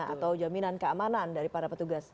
atau jaminan keamanan dari para petugas